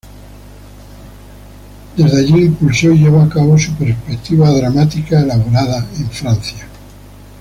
Desde allí impulsó y llevó a cabo su perspectiva dramática elaborada en Francia.